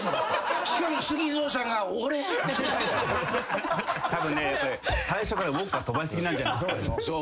しかもＳＵＧＩＺＯさんが「俺」たぶん最初からウオッカ飛ばし過ぎなんじゃないっすか。